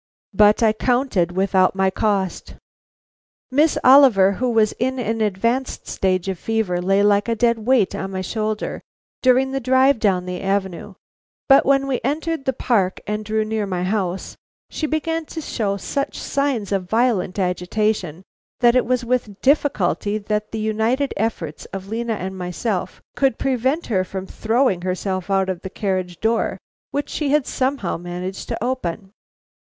But I counted without my cost. Miss Oliver, who was in an advanced stage of fever, lay like a dead weight on my shoulder during the drive down the avenue, but when we entered the Park and drew near my house, she began to show such signs of violent agitation that it was with difficulty that the united efforts of Lena and myself could prevent her from throwing herself out of the carriage door which she had somehow managed to open.